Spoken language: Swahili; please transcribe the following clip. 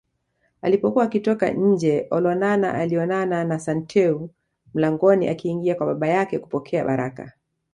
Alipokuwa akitoka nje Olonana alionana na Santeu mlangoni akiingia kwa baba yake kupokea baraka